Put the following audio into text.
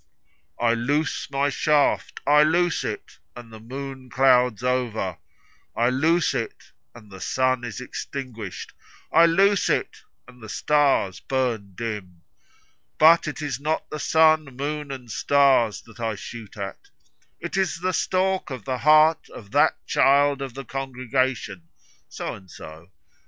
I loose my shaft, I loose it and the moon clouds over, I loose it, and the sun is extinguished. I loose it, and the stars burn dim. But it is not the sun, moon, and stars that I shoot at, It is the stalk of the heart of that child of the congregation, So and so.